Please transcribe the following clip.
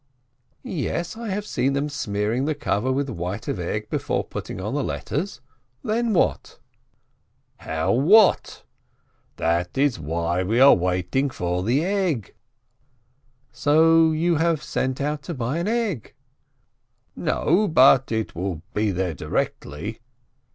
"Yes, I have seen them smearing the cover with white of egg before putting on the letters. Then what ?" "How 'what?' That is why we are waiting for the egg " "So you have sent out to buy an egg?" "No, but it will be there directly."